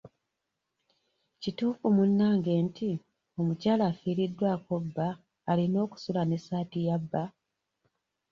Kituufu munnange nti omukyala afiiriddwako bba alina okusula n'essaati ya bba?